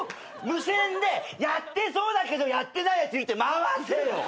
無線でやってそうだけどやってないやついるって回せよ！